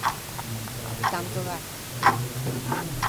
Tanto dá.